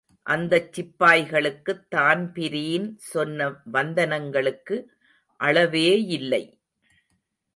அந்தச் சிப்பாய்களுக்குத் தான்பிரீன் சொன்ன வந்தனங்களுக்கு அளவே யில்லை!